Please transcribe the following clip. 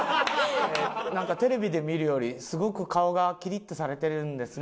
「なんかテレビで見るよりすごく顔がキリッとされてるんですね」。